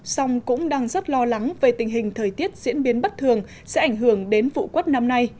song cũng đang rất lo lắng về tình hình thời tiết diễn biến bất thường sẽ ảnh hưởng đến vụ quất năm nay